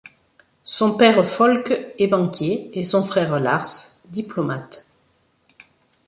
Son père Folke est banquier, et son frère Lars, diplomate.